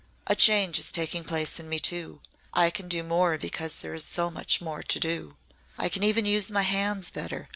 A change is taking place in me too. I can do more because there is so much more to do. I can even use my hands better.